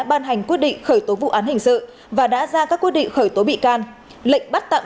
đảm bảo các quyết định khởi tố vụ án hình sự và đã ra các quyết định khởi tố bị can lệnh bắt tạm